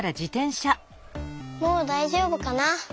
もうだいじょうぶかな。